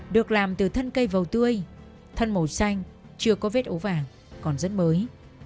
được làm từ thân cây vầu tươi thân màu xanh chưa có vết ấu vàng còn rất mới